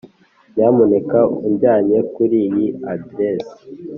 nyamuneka unjyane kuriyi aderesi.